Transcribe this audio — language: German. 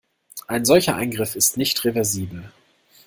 Ein solcher Eingriff ist nicht reversibel.